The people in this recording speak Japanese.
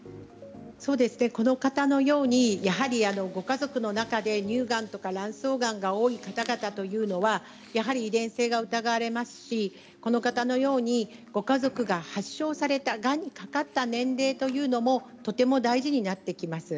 この方のように、やはりご家族の中で乳がんとか卵巣がんが多い方々というのはやはり遺伝性が疑われますしこの方のようにご家族が発症されたがんにかかった年齢というのもとても大事になってきます。